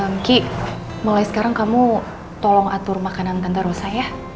kiki mulai sekarang kamu tolong atur makanan tante rosa ya